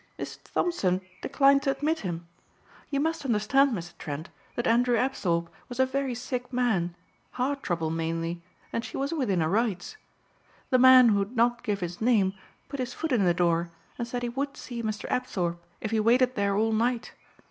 "Miss Thompson declined to admit him. You must understand, Mr. Trent, that Andrew Apthorpe was a very sick man, heart trouble mainly, and she was within her rights. The man who would not give his name put his foot in the door and said he would see Mr. Apthorpe if he waited there all night.